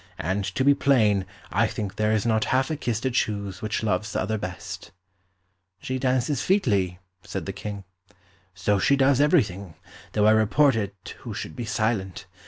And, to be plain, I think there is not half a kiss to choose which loves the other best." "She dances featly," said the King. "So she does everything, though I report it who should be silent.